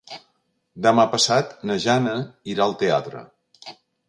Demà passat na Jana irà al teatre.